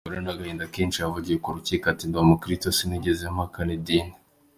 Umugore n’agahinda kenshi, yavugiye mu rukiko ati “Ndi umukristu, sinigeze mpakana idini”.